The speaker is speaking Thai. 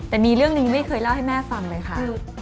แต่มีเรื่องหนึ่งไม่เคยเล่าให้แม่ฟังเลยค่ะ